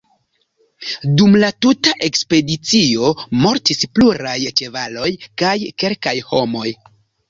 Dum la tuta ekspedicio mortis pluraj ĉevaloj kaj kelkaj homoj.